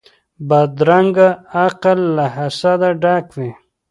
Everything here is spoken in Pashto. بدرنګه عقل له حسده ډک وي